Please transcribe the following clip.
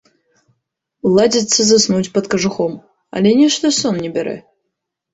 Ладзіцца заснуць пад кажухом, але нешта сон не бярэ.